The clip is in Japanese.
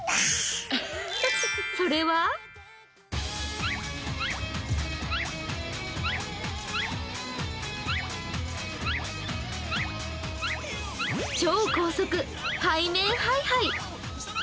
それは超高速背面ハイハイ。